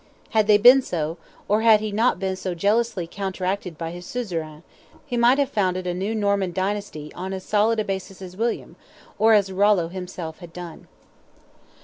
Had they been so, or had he not been so jealously counteracted by his suzerain, he might have founded a new Norman dynasty on as solid a basis as William, or as Rollo himself had done.